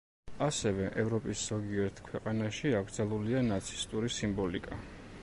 ასევე, ევროპის ზოგიერთ ქვეყანაში აკრძალულია ნაცისტური სიმბოლიკა.